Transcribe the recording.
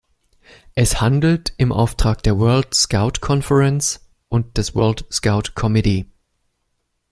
Es handelt im Auftrag der World Scout Conference und des World Scout Committee.